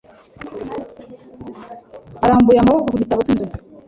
arambuye amaboko ku gitabo cy'inzu